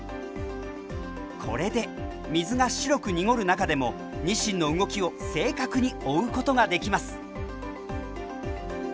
これで水が白く濁る中でもニシンの動きを正確に追うことができます。